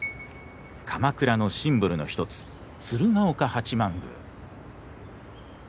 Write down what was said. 鎌倉のシンボルの一つ鶴岡八幡宮。